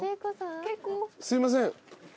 すいません。